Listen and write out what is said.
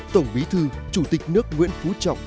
tổng bí thư chủ tịch nước nguyễn phú trọng